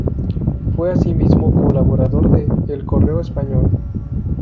Fue asimismo colaborador de "El Correo Español".